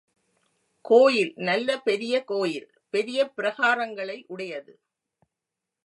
கோயில் நல்ல பெரிய கோயில், பெரிய பிரகாரங்களையுடையது.